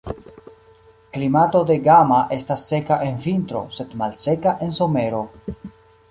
Klimato de Gama estas seka en vintro, sed malseka en somero.